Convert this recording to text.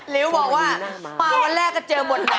ลิวบอกว่าป่าวันแรกก็เจอบทหน้าม้า